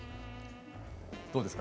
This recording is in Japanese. どうですか？